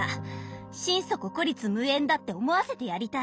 心底孤立無援だって思わせてやりたい。